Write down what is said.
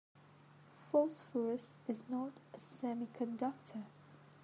Phosphorus is not a semiconductor.